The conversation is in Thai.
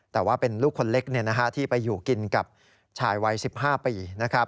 แต่ว่าเป็นลูกคนเล็กที่ไปอยู่กินกับชายวัย๑๕ปี